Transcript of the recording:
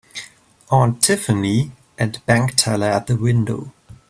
Aunt Tiffany and bank teller at the window.